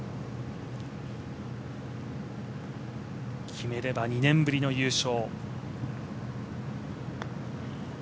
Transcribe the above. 決めれば２年ぶりの優勝。